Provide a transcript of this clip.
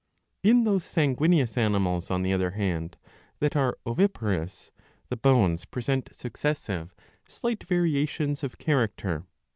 ^ In those sanguineous animals, on the other hand, that are oviparous, the bones present successive slight variations of charac ter.